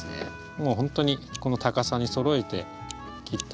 もうほんとにこの高さにそろえて切ってあげればいいので。